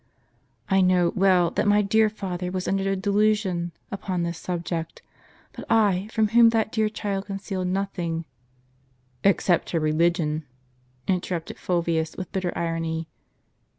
" I know well, that my dear father was under a delusion upon this subject ; but I, from whom that dear child con cealed nothing " "Except her religion," interrupted Fulvius, with bitter irony.